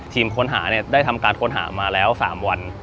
ทีมค้นหาได้ทำการค้นหามาแล้ว๓วัน